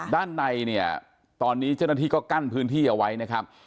ด้านในเนี่ยตอนนี้เจ้าหน้าที่ก็กั้นพื้นที่เอาไว้นะครับ